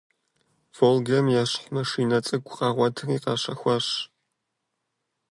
«Волгэм» ещхь маршынэ цӀыкӀу къагъуэтри къащэхуащ.